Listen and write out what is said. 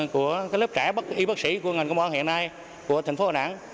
của lớp trẻ y bác sĩ của ngành công an hiện nay của thành phố hà nẵng